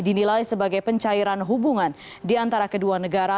dinilai sebagai pencairan hubungan di antara kedua negara